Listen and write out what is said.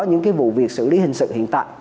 những cái vụ việc xử lý hình sự hiện tại